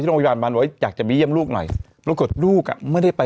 ที่โรงพยาบาลบาลบอกว่าอยากจะไปเยี่ยมลูกหน่อยแล้วก็ลูกอ่ะไม่ได้ไป